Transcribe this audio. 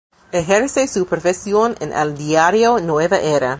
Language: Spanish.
Ejerce su profesión en el diario Nueva Era.